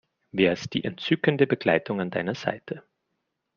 Wer ist die entzückende Begleitung an deiner Seite?